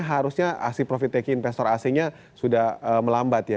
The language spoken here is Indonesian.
seharusnya asing profit taking investor asingnya sudah melambat ya